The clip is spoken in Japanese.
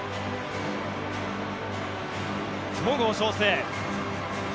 戸郷翔征。